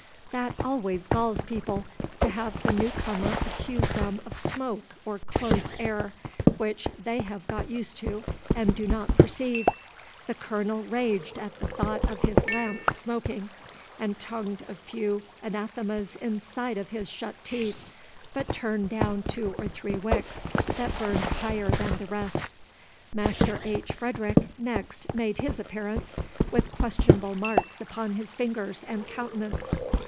That always galls people, to have a new comer accuse them of smoke or close air, which they have got used to and do not perceive. The Colonel raged at the thought of his lamps' smoking, and tongued a few anathemas inside of his shut teeth, but turned down two or three wicks that burned higher than the rest. Master H. Frederic next made his appearance, with questionable marks upon his fingers and countenance.